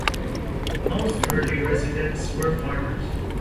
Most early residents were farmers.